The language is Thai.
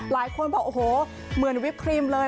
หลายคนบอกโอ้โหเหมือนวิปครีมเลย